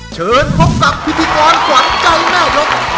เชิญพบกับพิธีกรขวัญใจแม่ยก